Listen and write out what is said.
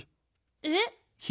えっ？